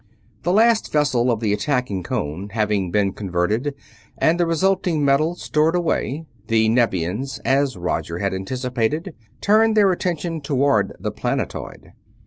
The last vessel of the attacking cone having been converted and the resulting metal stored away, the Nevians as Roger had anticipated turned their attention toward the planetoid.